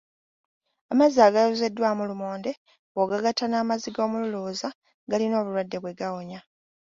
Amazzi agayozeddwamu lumonde bw’ogagatta n’amazzi g’omululuuza galina obulwadde bwe gawonya.